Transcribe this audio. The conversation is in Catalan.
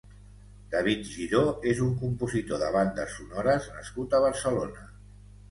David Giró és un compositor de bandes sonores nascut a Barcelona.